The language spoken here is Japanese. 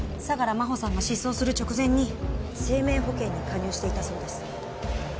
相良真帆さんが失踪する直前に生命保険に加入していたそうです。